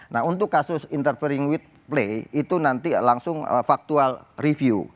nah untuk kasus interpering with play itu nanti langsung factual review